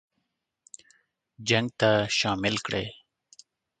جنګ ته شامل کړي.